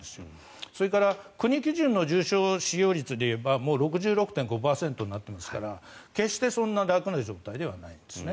それから国基準の重症率でいえば６５．５％になっていますから決して、そんなに楽な状態ではないんですね。